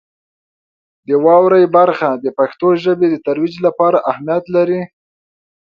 د واورئ برخه د پښتو ژبې د ترویج لپاره اهمیت لري.